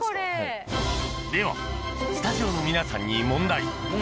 ・ではスタジオの皆さんに問題